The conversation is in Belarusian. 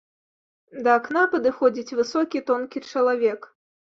Да акна падыходзіць высокі, тонкі чалавек.